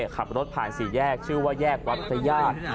ขับรถผ่านสี่แยกชื่อว่าแยกวัดพระญาติ